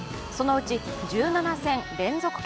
そのうち１７戦連続ＫＯ